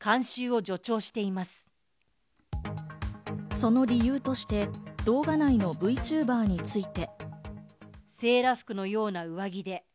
その理由として動画内のＶＴｕｂｅｒについて。